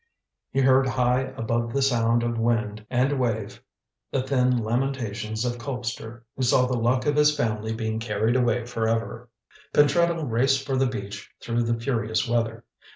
He heard high above the sound of wind and wave the thin lamentations of Colpster, who saw the luck of his family being carried away for ever. Pentreddle raced for the beach through the furious weather.